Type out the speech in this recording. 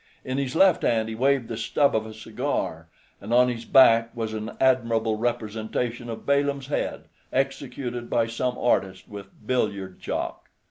In his left hand he waved the stub of a cigar, and on his back was an admirable representation of Balaam's head, executed by some artist with billiard chalk.